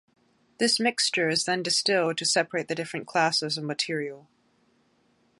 This mixture is then distilled to separate the different classes of material.